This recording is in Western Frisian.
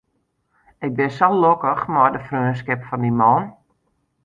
Ik bin sa lokkich mei de freonskip fan dy man.